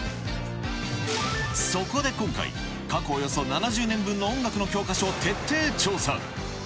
そこで今回、過去およそ７０年分の音楽の教科書を徹底調査。